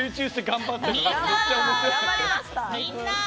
みんな！